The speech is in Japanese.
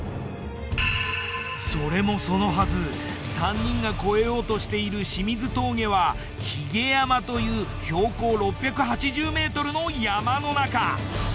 それもそのはず３人が越えようとしている清水峠は髯山という標高６８０ｍの山の中。